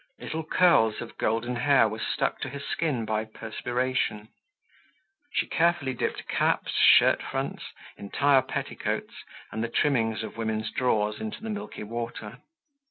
Little curls of golden hair were stuck to her skin by perspiration. She carefully dipped caps, shirt fronts, entire petticoats, and the trimmings of women's drawers into the milky water.